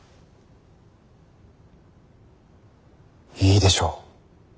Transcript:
いいでしょう。